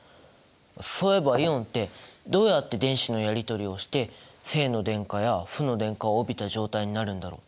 そういえばイオンってどうやって電子のやりとりをして正の電荷や負の電荷を帯びた状態になるんだろう？